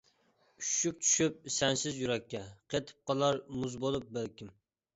ئۈششۈك چۈشۈپ سەنسىز يۈرەككە، قېتىپ قالار مۇز بولۇپ بەلكىم.